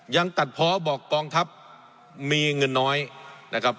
ยังตัดเพาะบอกกองทัพมีเงินน้อยนะครับ